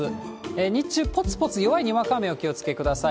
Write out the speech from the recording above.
日中、ぽつぽつ弱いにわか雨、お気をつけください。